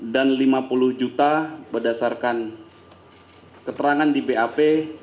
dan lima puluh juta berdasarkan keterangan di bap